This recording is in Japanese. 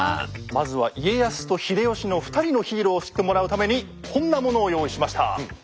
まずは家康と秀吉の２人のヒーローを知ってもらうためにこんなものを用意しました。